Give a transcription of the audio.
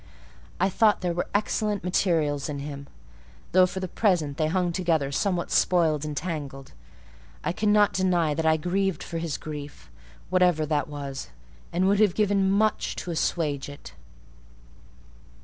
I thought there were excellent materials in him; though for the present they hung together somewhat spoiled and tangled. I cannot deny that I grieved for his grief, whatever that was, and would have given much to assuage it.